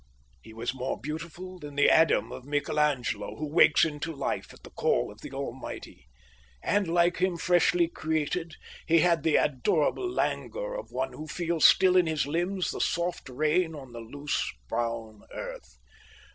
He was more beautiful than the Adam of Michelangelo who wakes into life at the call of the Almighty; and, like him freshly created, he had the adorable languor of one who feels still in his limbs the soft rain on the loose brown earth.